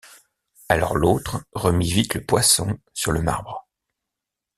Alors l’autre remit vite le poisson sur le marbre.